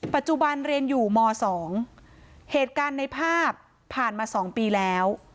ปัจจุบันเรียนอยู่ม๒เหตุการณ์ในภาพผ่านมา๒ปีแล้ว